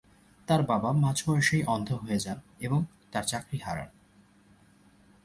তার বাবা মাঝ বয়সেই অন্ধ হয়ে যান এবং তার চাকুরী হারান।